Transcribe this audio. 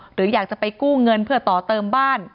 หรืออยากจะไปกู้เงินเพื่อต่อเติมบ้าน